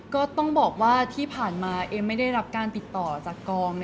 ก็ต้องบอกว่าที่ผ่านมาเอมไม่ได้รับการติดต่อจากกอง